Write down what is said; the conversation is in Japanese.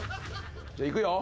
じゃあいくよ。